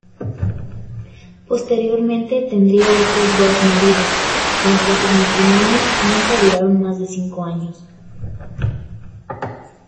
Posteriormente tendría otros dos maridos, aunque sus matrimonios nunca duraron más de cinco años.